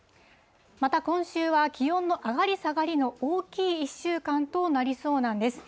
また今週は気温の上がり下がりの大きい１週間となりそうなんです。